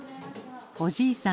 おじいさん